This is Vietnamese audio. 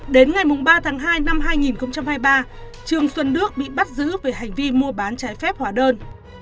đến ngày ba tháng hai năm hai nghìn hai mươi ba trương xuân đức bị bắt giữ về hành vi mua bán trái phép hóa đơn